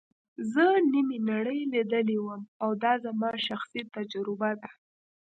زه نیمه نړۍ لیدلې وم او دا زما شخصي تجربه ده.